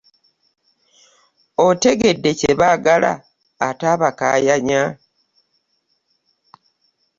Otegedde kye baagala ate obakaayanya.